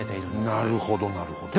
なるほどなるほど。